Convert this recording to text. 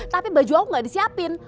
tapi baju aku gak disiapin